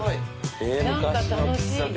昔の喫茶店。